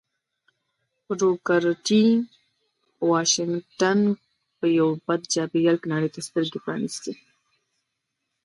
بروکر ټي واشنګټن په یوه بد چاپېريال کې نړۍ ته سترګې پرانيستې